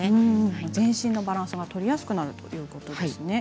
全身のバランスが取りやすくなるということですね。